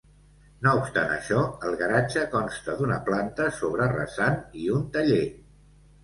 No obstant això el garatge consta d'una planta sobre rasant i un taller.